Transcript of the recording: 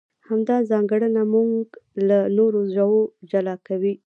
همدا ځانګړنه موږ له نورو ژوو جلا کوي.